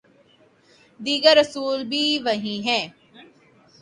دیگر اصول بھی وہی ہیں۔